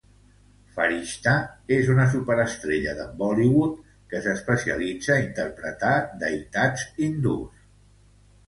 Farishta és una superestrella de Bollywood que s'especialitza a interpretar deïtats hindús.